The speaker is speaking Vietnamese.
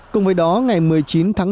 cùng với đó ngày một mươi chín tháng năm